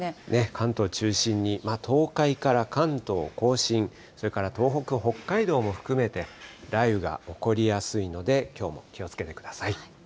関東中心に東海から関東甲信、それから東北、北海道も含めて、雷雨が起こりやすいのできょうも気をつけてください。